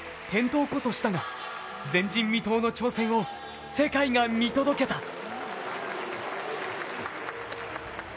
転倒こそしたが前人未到の挑戦を世界が見届けた。